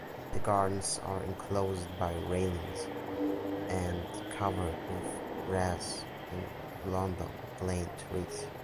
The gardens are enclosed by railings and covered with grass and London plane trees.